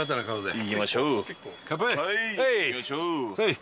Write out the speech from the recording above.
はいいきましょう。